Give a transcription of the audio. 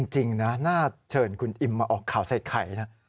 จริงนะน่าเชิญคุณอิมมาออกข่าวใส่ไข่นะ